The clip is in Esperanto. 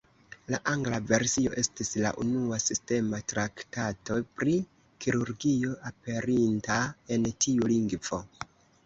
La angla versio estis la unua sistema traktato pri kirurgio aperinta en tiu lingvo.